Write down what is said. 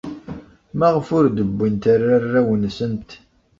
Maɣef ur d-wwint ara arraw-nsent?